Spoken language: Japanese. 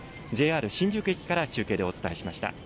ＪＲ新宿駅から、中継でお伝えしました。